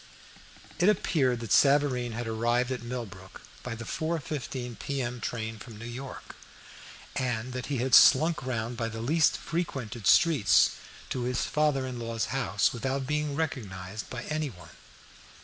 It appeared that Savareen had arrived at Millbrook by the 4:15 p.m. train from New York, and that he had slunk round by the least frequented streets to his father in law's house without being recognised by any one.